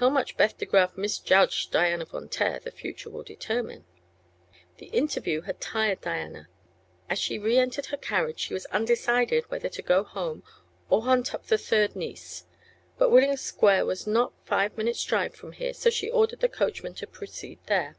How much Beth De Graf misjudged Diana Von Taer the future will determine. The interview had tired Diana. As she reentered her carriage she was undecided whether to go home or hunt up the third niece. But Willing Square was not five minutes' drive from here, so she ordered the coachman to proceed there.